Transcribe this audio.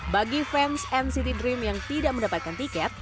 bagi fans nct dream yang tidak mendapatkan tiket